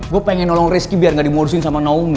gue pengen nolong rezeki biar gak dimodusin sama naomi